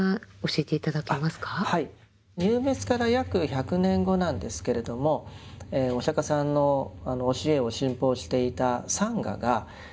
入滅から約１００年後なんですけれどもお釈迦さんの教えを信奉していたサンガが２つに分かれます。